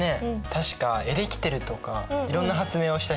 確かエレキテルとかいろんな発明をした人。